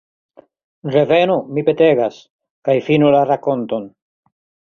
Revenu, mi petegas, kaj finu la rakonton.